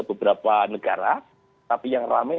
beberapa negara tapi yang rame